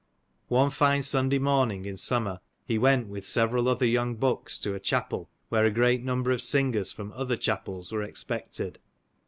One fine Sunday morning in summer, he went with several other young bucks to a chapel where a great number of singers from other chapels were expected.